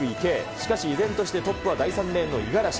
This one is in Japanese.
しかし依然としてトップは第３レーンの五十嵐。